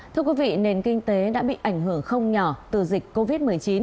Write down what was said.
thưa quý vị nền kinh tế đã bị ảnh hưởng không nhỏ từ dịch covid một mươi chín